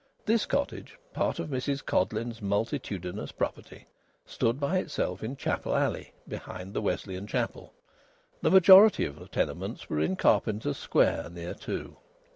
This cottage, part of Mrs Codleyn's multitudinous property, stood by itself in Chapel Alley, behind the Wesleyan chapel; the majority of the tenements were in Carpenter's Square, near to.